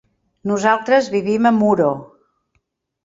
Nosaltres vivim a Muro.